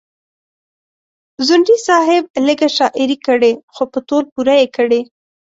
ځونډي صاحب لیږه شاعري کړې خو په تول پوره یې کړې.